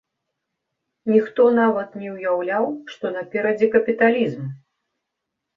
Ніхто нават не ўяўляў, што наперадзе капіталізм!